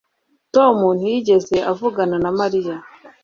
Tom ntiyigeze avugana na Mariya